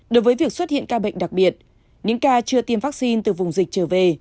đối với việc xuất hiện ca bệnh đặc biệt những ca chưa tiêm vaccine từ vùng dịch trở về